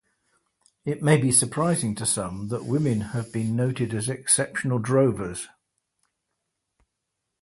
It may be surprising to some that women have been noted as exceptional drovers.